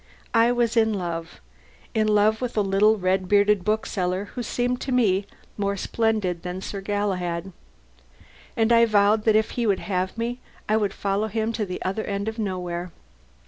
I was in love in love with a little, red bearded bookseller who seemed to me more splendid than Sir Galahad. And I vowed that if he would have me, I would follow him to the other end of nowhere.